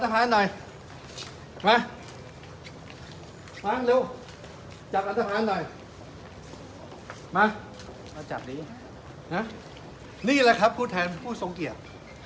จับอัตภัณฑ์หน่อยมามาจับนี้นะนี่แหละครับคุณแทนคุณสงเกียจ